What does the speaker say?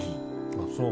あっそう。